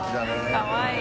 かわいい。